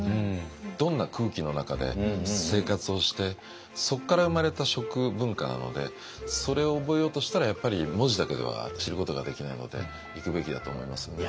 どんな空気の中で生活をしてそこから生まれた食文化なのでそれを覚えようとしたらやっぱり文字だけでは知ることができないので行くべきだと思いますね。